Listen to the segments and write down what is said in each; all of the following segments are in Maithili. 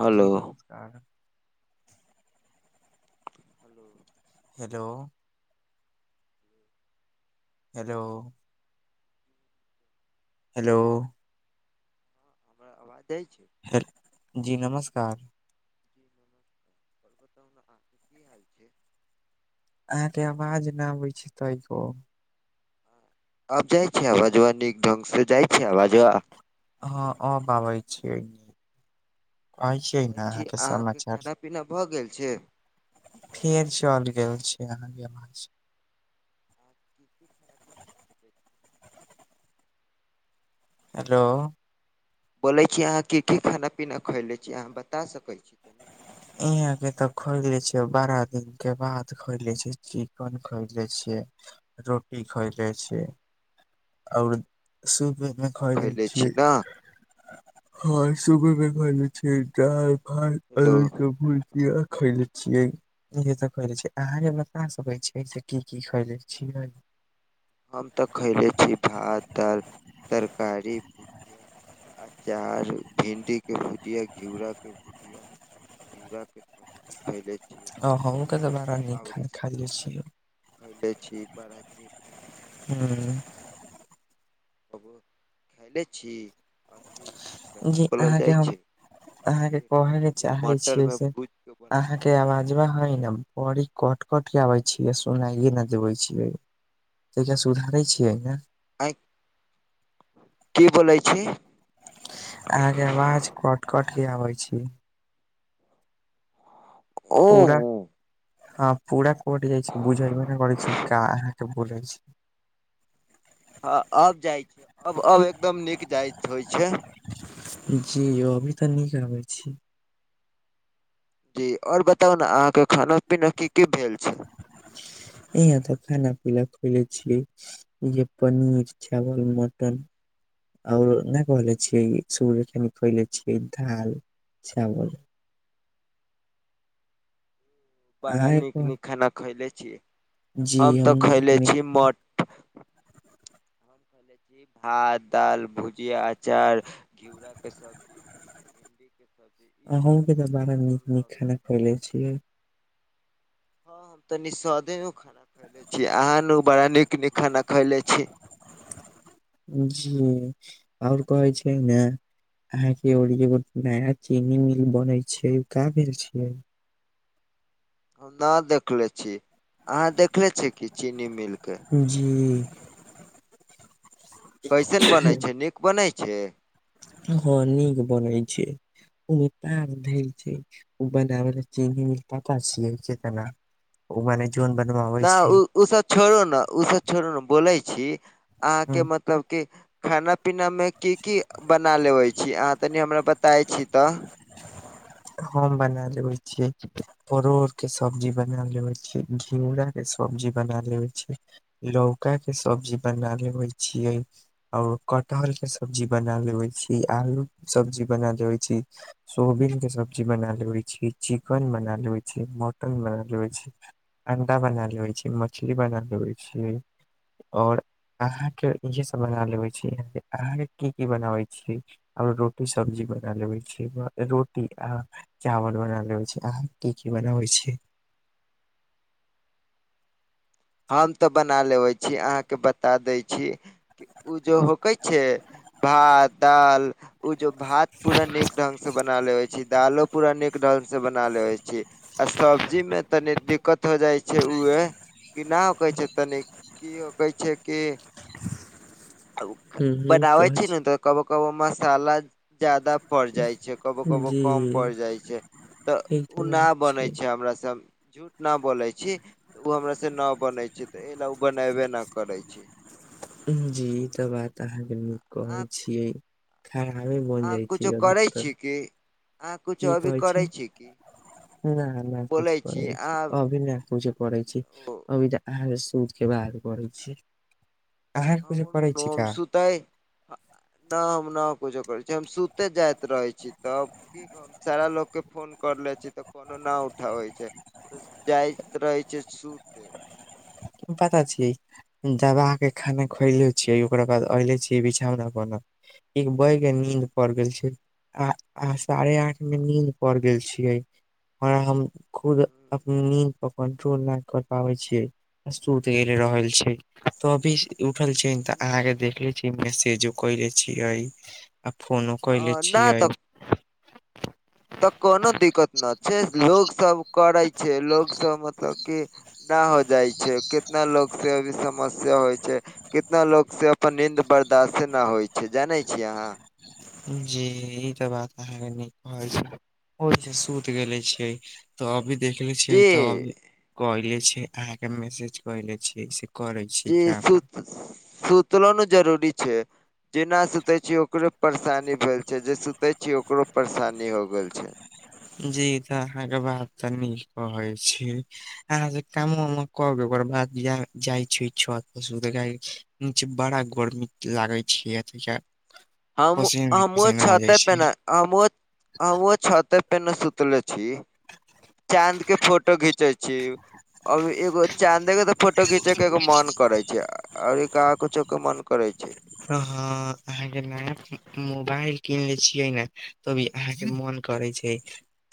हेलो जी नमस्कार [inaudible] हेलो हँ हेलो हेलो हमरा आवाज दैय छै हेलो जी नमस्कार कहुने अहाॅं की हाल छै अहाँके आवाज नहि आबै छै तय पर अब जाइ छै आवजबा नीक ढंग से जाइ छीै आवाजबा? हँ अब आबै छियै कहै छियै बोलै ने छी अहाँके समाचार खाना पीना भऽ गेल छै फेर चल गेल छै अहाॅं के अबाज [inaudible] हेलो बोलै छी अहाँके की खाना पीना खैले छी अहाँ बता सकैत छीय यहां के त खोइले छियै बाड़ा दिन के बाद खोइले छियै चिकन खोइले छियै रोटी खेलइले छियै ओर सुबहेमे खैयले खयले छी छियै ने हँ सुबह मे खैले छियै दाल भात हेलो अलु के भुजिया खैले छियै इहे सब खैले छियै। अहाँ से बता सकै छियै से की की खैले छियै हम त खयले छी भात दालि तरकारी अचार भिन्डी के भुजिया, घिउरा के भुजिया घिउरा के सब्जी खैले छी। ह ओकरा बाद हमहूँके त बड़ा नीक खाना खयले छलहुं पहिले छी बाड़ा नीक न हुं कबो खइले छी, कथि जी अहाँ के हम, अहाँके कहे के जे चाहै मटर छियै मे से भूज के बनल अहाँ के आवाजबा है ने बड़ी कट कट के आबै छियै सुनाइये न देवे छियै तहिया सुधारै छियै ने आँय, की बोलै छी? अहाँ के आवाज कट कट के अबै छी ओ पूरा, हँ पूरा कट जाइ छै, बुझबे नहि करै छै अहाँ की बोलै छी हँ अब जाइ छै, अब अब एकदम नीक जाइत होइ छै जी अवाज अभी त नीक आबै छै जी और बताउ ने अहाँके खाना पीना की की भेल छै इहां त खाना पिनी खइले छियै जे पनीर चावल मटन और नहि कहले छियै सुबह कनि खएले छियै दाल चावल बड़ा अहाँ नीक कोन नीक खाना खैयले छियै, जी हम त हमहूँ नीक खैयले नीक छियै मटन खयले छी भात दाल भुजिया अचार घिउराके सब्जी भिंडी के सब्जी इहे अहुँ सब के त खयले बड़ा छी हम नीक न नीक उतना खाना खएले छियै तनि स्वादेमे खाना खइले छी अहाँ न बड़ा नीक नीक खाना खैले छी जी और कहै छियै ने अहाँं के और एगो नया चीनी मिल बनै छै का भेल छियै हम ना देखले छी, अहाँ देखले छी की चीनी मिल के जी कैसन बनै छै, नीक बनै छै हँ नीक बनै छै उ प आध छै ओ ब चिन् प पसी छै त [unintelligible] ओ माने जन ना उ सब छोड़ू ने उ सब छोड़ू ने, बोलै छी, अहाँके मतलब कि खाना पीना में की की बना लेबै छी अहाँ तनि हमरा बताय छी त हम बना लेबै छियै परोड़ के सब्जी बना लेेबैय छी, घिउरा के सब्जी बना लेेबैय छी। लौका के सब्जी बना लेबैय छियै। और कटहल के सब्जी बना लेबैय छी, आलू सब्जी बना लेवैय छी। सोबीन के सब्जी बना लेेबैय छी, चिकन बना लेबैय छी, मटन बना लेेबैय छी। अंडा बना लेेबैय छी मछली बना लेबैय छी और अहाँके इहे सब बना लेबैय छी, अहाँके की की बनाबे छी। आ रोटी सब्जी बना लेबैय छी, रोटी आ चावल बना लेबैय छी अहाँ की की बनाबै छी। हम त बना लेबैय छी अहाँके बता दै छी। कि उ जो होकै छैय भात दाल उ जो भात पूरा नीक ढंग से बना लेवैय छी, दालो पूरा नीक ढंग से बना लेवैय छी। आ सब्जी में तनी दिक्कत हो जाइ छैय उहे कि नाव कहै छैय तनी की हो कहै छैय कि [unintelligible] हूँ बनावै कहै छी ने त कभो कबो मसाला ज्यादा पड़ जाइ छैय, कबो कबो जी कम पड़ जाइ छैय। त ई उ तऽ न बात बनैय छै छैय हमरा से झूठ ना बोलैय छी उ हमरा से न बनैय छैय त एहि ले ओ बनैबे न करैय छी। उम्म जी ई त बात अहाँके नीक अहाँ कहैय छियै। खानावे बन अहाँ जाइ किछो छी करै छी अधिकतर। की अहाँ किछो की अभी कहैय छी, करै की ना ना कुछ बोलै कहैय छी अहाँ अभिना पूजा करैय छी, ओ अभी त अहाँ सुत के बाद करैय छी। अहाँ किछु पढ़ै छी का। तय ना हम न कुछो करैय छी, हम सुते जाइत रहैय छी तब की हम सारा लोक के फोन करले छी त कोनो न उठाबै छैय। त जाइत रहैय छैय सुते। पता छियै। दबा के खाना खोएले छियै ओकरा बाद ऐलै छीयै बिछौना पऽ ना। एक बैगे नींद पड़ गेल छैय। आ आ साढ़े आठ मे नींद पड़ गेल छियै। और हम खुद अप नींद प कंट्रोल नै कर पाबैय छियै। सुत गेले रहल छैय तो अभी उठल छी त अहाँ के देखले छी। इ मैसेजो कैले छीयै। आ फोनो अ कयले ना छियै तक तऽ कोनो दिक्कत ना छैय, लोक सब करैय छैय, लोक सब मतलब की न हो जाइ छैय, कितना लोग से अभी समस्या होइ छैय। कितना लोक से अपन नीन्द बर्दाश्त न होइ छैय जानैय छीयै अहाँ। जी ई त बात अहाँके नीक कहै छैय, ओहि स सुत गेले छैय। त अभी देखले छियै जी त अभी कइले छैय अहाँ के मैसेज कइले छीयै से करैय इ सुत सूतलो न जरूरी छैय। जे ना सुतय छी ओकरो परेशानी भेल छैय, जे सुतय छी ओकरो परेशानी हो गेल छैय। जी त अहाँके बात त नीक कहैय छिये। अहाँके कामोमे क ग ओकर बाद जाइ जाय छी छत पर सूते [unintelligible] [unintelligible] बड़ा गर्मी लागैत छैय [unintelligible] हम हम ओए छते पे छै न हम ओए हम ओए छते ते न सूतले छी। चाँद के फोटो घिच जै छी, अभी एगो चाँद के तो फोटो घीचे के एगो मन करेै छै, और का कुछो के मन करै छै। त हँ, आहाँ के नाम? मोबाइल कीनलेै छियै ने, तो भी आहाँ के मन करै छै।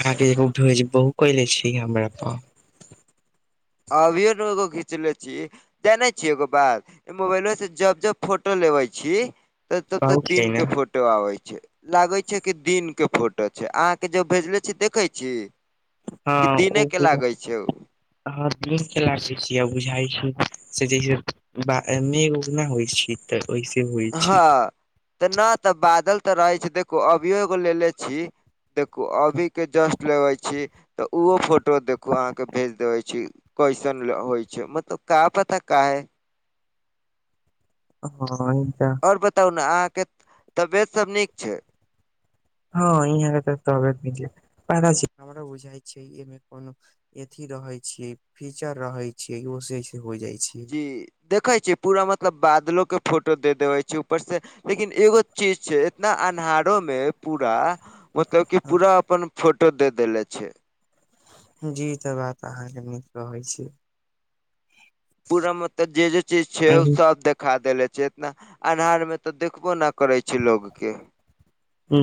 आहाँ के भेज बहु क ले छी हमरा प [unintelligible] अबियो दूगो घीचने छी, जाने छी एगो बात। मोबाइलो से जब- जब फोटो लेवे छी, त तब- कहै तब छियै दिन के ने फोटो। फोटो आबे छै, लागे छै कि दिन के फोटो छै, आहाँ के जब भेजले छी देखे छी। कि दिने के लागै छै ओ। ह [unintelligible] छियै बुझाय छै। से जैसे बा मेघ -उघ ना होय छी तऽ ओऐसे होय छी। हँ तऽ नैय तऽ बादल तऽ रहे छै, देखू अभियो एगो लेे ले छी देखू अभी के जस्ट लेबे छी तऽ ओहो फोटो देखू, आहाँ के भेज देबे छी। कैसन होय छै, मतलब का पता काहे। ह इ त। और बताउ ने, अहाँ के तबियत सब नीक छै? ह यहाँ के त तत म बुझइ छै [unintelligible] कोनो अथी रहे छीयै, फीचर रहे छीयै, ओ सेस हो जाय छै। जी देखे छिय पूरा मतलब, बादलो के फोटो दे देवे छै, ऊपर से लेकिन एगो चीज छै इतना अन्हारो मे पूरा मतलब की हँ पूरा अपन फोटो दे देेले छे। जी तऽ बात आहाँ के नीक कहै छी। पूरा मतलब जे- जे चीज छै, ओ सब देख खा देेले छै, इतना अन्हार में तऽ देखबो न करे छैय लोग के।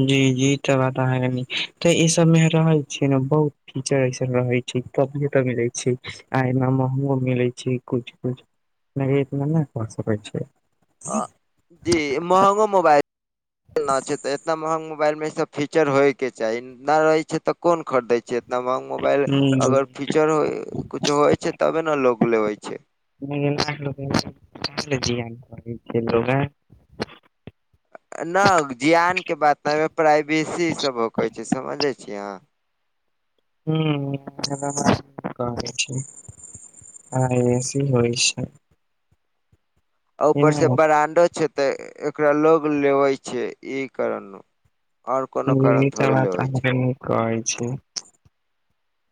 जी जी ई त बात आहाँ निक, तऽ ई सबमे रहै छियै ने बहुत। कीचड़ ऐसन रहै छै, क तऽ मिलैत छै, आइ एना महगो मिलैत छै कुछ- कुछ। नहैर मे नैय क सकै छैय। ह जी महगो मोबाइल न छै, तऽ एतना महंग मोबाइल मे इ सब फीचर होइके चाही, नैय रहै छै तऽ कोन खरीदै छैै। नमहर मोबाइल हम्म अगर फीचर हो कुछो होय छै, तबे ने लोग लेबे छै। [unintelligible] नैय जियान के बात नै प्राइवेसी सब होक छै समझे छियै आँहा! हुँ [unintelligible] की होय छैय। ऊपर से ब्रांडो छै, तऽ एकरा लोग लेबे छै ई कारण। और कोनो ई कारण त थोरे बात लेबैय अहाँके छै। नीक कहै छै।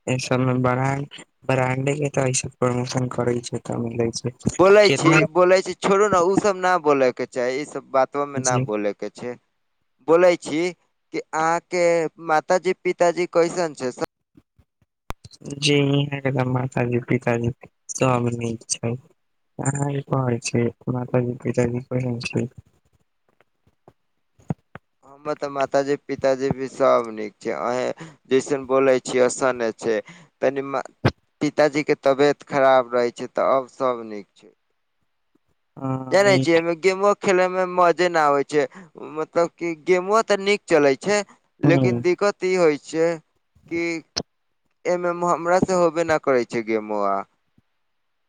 एहि सब मे ब्रांड- ब्रांडे के त सब प्रमोशन करे छै तऽ मिलेै छै। बोलेै छी, केतना बोलेै छी, छोड़ू ने, उ सब ना बोलेैके चाही, इ सब बातों में न जे बोले के छैय। बोलेै छी कि आहाँ के मातााजी- पिताजी कैसन छैय से जी इहाँ मातााजी -पिताजी सब नीक छैथ। अहाँ के कोहोय छै, माताजी पिताजी केहन छैथ? हमर तऽ मातााजी -पिताजी भी सब नीक छै, अहे जैसन बोलय छियै ओसाने छै तनी। पिताजी के तबेत खराब रहे छै तऽ अब -सब नीक छै। जानै अहाँ छियै। गेमो खेले में मजे न आबे छै मतलब की गेमो तऽ नीक चलेै छै। लेकिन दिक्कत इ होय छै कि। एमे म हमरा से होबे न करै छै गे मो आ।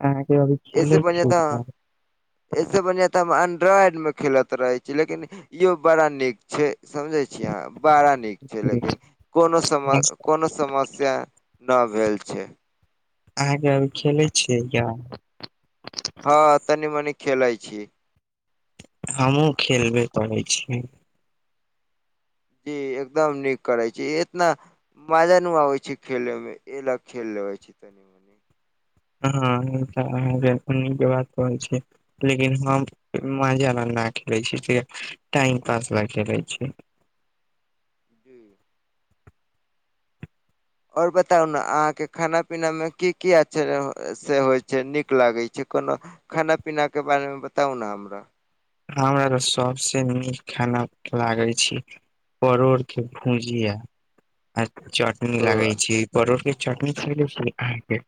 अहँ कै अभी। ऐसे खेलै बढ़िआँ छी त ऐसे बढ़िआँ तऽ हम एंड्रॉइडमे खेलैत रहै छी लेकिन। इहो बड़ा नीक छै समझे छीय हम बड़ा नि। नीक छै लेकिन, कोनो सम कोनो समस्या न भेल छै। अहाँके अभी खेले छियै या। हँ तनी मनी खेलइ छी। हमहहुँ खेलबे करै छियै। जी एकदम नीक करै छी एतना। मजा नु आबै छै खेले मे ए ल खेल लेबे छै तनि मनि। हँ हॅ बात कहै छी। लेकिन हम मजा ल नहि खेलैत छी टाइम पास ल खेलैत छी। [inaudible] आओर बताउ ने अहाँके खाना पीना मे की की अचछर से होइ छै नीक लागैत छै कोनो। खाना पीना के बारे मे बताउ न हमरा। हमरा तऽ सभ से नीक खाना लागै छी। परोड़ के भुजिया आर चट-। नीक ओ लागै छी परोठ के चटनी खेले छी अहाँ के।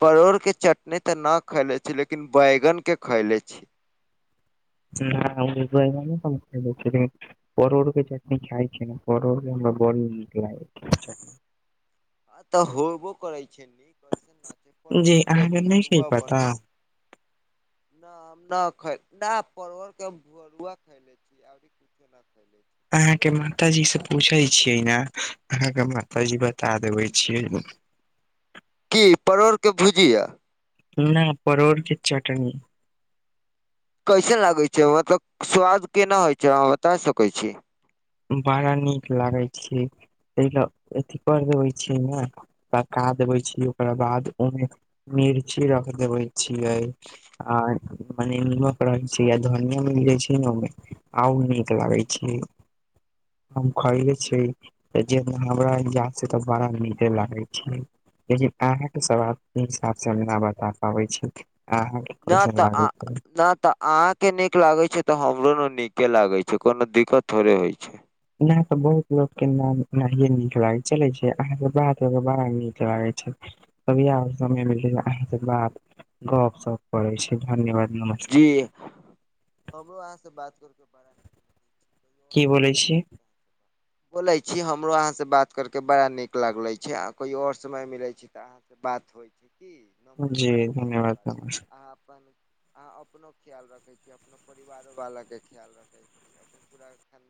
परोड़ के चटनी त ना खैले छी, लेकिन बैगन के खैले छी। हुॅ हम बैंगनों खेने छी। परोर के चटनी खाइ छी ने परोर हमरा बड़ नीक लागै छै। आ तऽ होबो करैत छै नीक। कैसे नाचे छै जी परवल के अहाँके नहि छै भरुआ पता बनाई। न हम न खैव न परोर के भरुआ खले छीियै। अभी की केना खैले।। छी अहाँ चलू के नीक माता छै जी तऽ से बात पूछे करके नीक छियै लाग ने अहाँके मातााजी बता देबे छियै। की परोड़ के भुजीया। नहि परोर के चटनी। कैसन लागै छै मतलब स्वाद केना होइ छै अहाँ बता सकै छी। बड़ा नीक लागैत छै ताहिया अथी पर्व होय छैय ने। पका देबे छी ओकरा बाद, ओहिमे मिर्ची रख देबे छियै। आ मने नीमक रहे छै, धनिया मिले छी, ओहिमे आउ नीक लागे छै। हम खरीदे छी जे हमरा ज्ञान स त बड़ा नीके लागे छै। ए जी अहाँके सवाल के हिसाब सँ आंगना बता पाबै छी अहाँ। न त आ न त। अहाॅ के नीक लागे छै तऽ हमरो ने नीके लागे छै कोनो दिक्कत थोड़े होइ छै। एना तऽ बहुत लोक के नाहि नहिये नीक लागे छैलइ से अहाँके बात बड़ा नीक लागे छै। तभिआ समय मिलते अहाँ बात गप्प सप्प करै छी धन्यवाद नमस्कार। ए हमरो अहाँ से बात कर के बड़ा। कई आओर की समय बोलै मिलै छी छै कह। बोले छी हमरो अहाँ से बात कर के बड़ा नीक लागले छैय आ कोई ओर समय मिले छैय त। अहाॅ से बात होइ छैय की जी नमस्कार धन्यवाद नमस्कार अहाँ अपन। हाँ अपनो ख्याल रखे छी अपनो परिवारो वाला के ख्याल रखे छी अपन पूरा खानदान